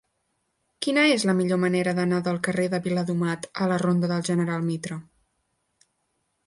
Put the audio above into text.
Quina és la millor manera d'anar del carrer de Viladomat a la ronda del General Mitre?